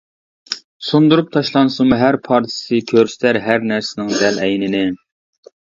سۇندۇرۇپ تاشلانسىمۇ ھەر پارچىسى، كۆرسىتەر ھەر نەرسىنىڭ دەل ئەينىنى.